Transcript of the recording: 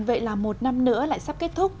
vậy là một năm nữa lại sắp kết thúc